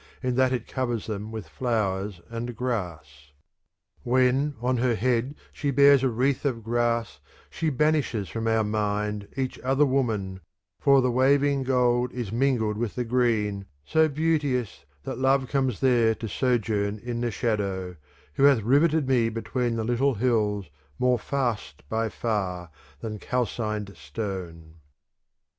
VII. THE COMPLEMENT OF ODES 397 When on her liead she bears a wreath of grass she banishes from our mind each other woman, for the waving gold is mingled with the green so beauteous that love comes there to sojourn in the shadow, who hath riveted me between the little hills more fast by far than calcined stone.